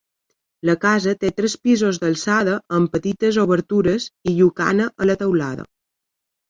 La casa té tres pisos d'alçada amb petites obertures i llucana a la teulada.